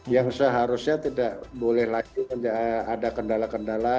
yang seharusnya tidak boleh lagi ada kendala kendala